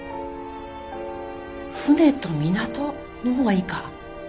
船と港のほうがいいか？